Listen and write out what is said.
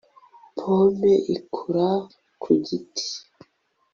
Pome ikura ku biti